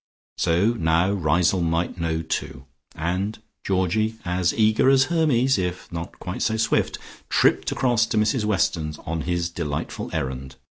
So now Riseholme might know, too, and Georgie, as eager as Hermes, if not quite so swift, tripped across to Mrs Weston's, on his delightful errand.